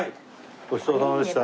ごちそうさまでした。